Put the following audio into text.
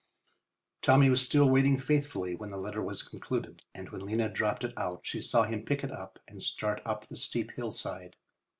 Tommy was still waiting faithfully when the letter was concluded, and when Lena dropped it out she saw him pick it up and start up the steep hillside.